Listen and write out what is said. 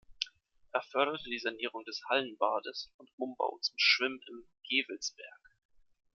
Er förderte die Sanierung des Hallenbades und Umbau zum "Schwimm in Gevelsberg".